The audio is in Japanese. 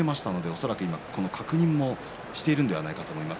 恐らく確認をしているのではないかと思います。